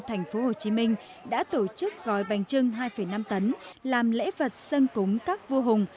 thành phố hồ chí minh đã tổ chức gói bánh trưng hai năm tấn làm lễ vật sân cúng các vua hùng